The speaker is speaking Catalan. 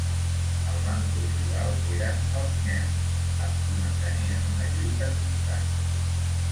El bàndol rival eren els nyerros, amb qui mantenien una lluita constant.